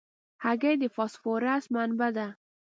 هګۍ د فاسفورس منبع ده.